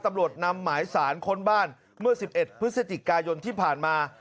ตำรวจนำหมายสารค้นบ้านเมื่อ๑๑พฤศจิกายนที่ผ่านมา